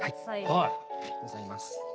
ありがとうございます。